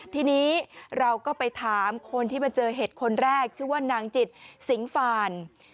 ทีนี้เราก็ไปถามคนที่มาเจอเห็ดคนแรกชื่อว่านางจิตสิงฟาน